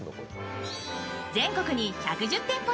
全国に１１０店舗